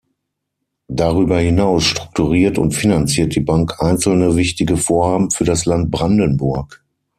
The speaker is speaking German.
Darüber hinaus strukturiert und finanziert die Bank einzelne wichtige Vorhaben für das Land Brandenburg.